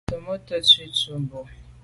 Tsemo’ te ntsi tu bo.